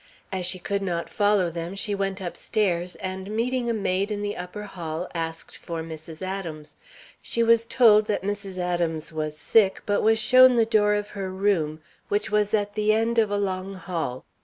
As she could not follow them, she went upstairs, and, meeting a maid in the upper hall, asked for Mrs. Adams. She was told that Mrs. Adams was sick, but was shown the door of her room, which was at the end of a long hall.